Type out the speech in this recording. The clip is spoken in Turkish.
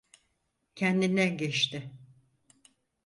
Kendinden geçti.